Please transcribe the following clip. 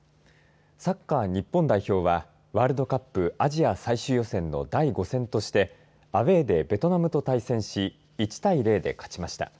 サッカー日本代表はワールドカップアジア最終予選の第５戦としてアウェーでベトナムと対戦し１対０で勝ちました。